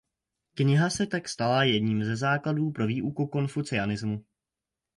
Kniha se tak stala jedním ze základů pro výuku konfucianismu.